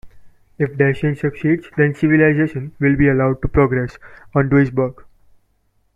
If Dashian succeeds, then civilization will be allowed to progress on Duisberg.